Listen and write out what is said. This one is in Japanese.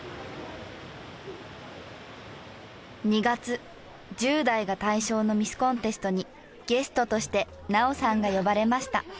２月１０代が対象のミスコンテストにゲストとして菜桜さんが呼ばれました。